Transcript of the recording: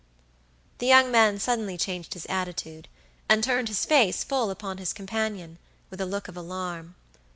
The young man suddenly changed his attitude, and turned his face full upon his companion, with a look of alarm.